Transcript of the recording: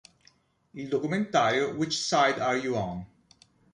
I documentario "Which Side Are You On?